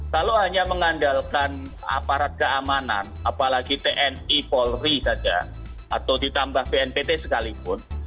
kalau hanya mengandalkan aparat keamanan apalagi tni polri saja atau ditambah bnpt sekalipun